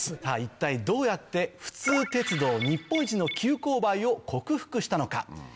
さぁ一体どうやって普通鉄道日本一の急勾配を克服したのか。